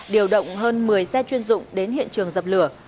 điều động hơn một mươi xe chuyên dụng đến hiện trường dập lửa